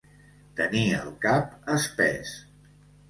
Tenir el cap espès.